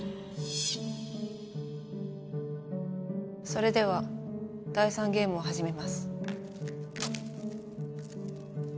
それでは第３ゲームを始めます。